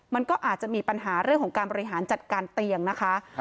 มันก็อาจจะมีปัญหาเรื่องของการบริหารจัดการเตียงนะคะ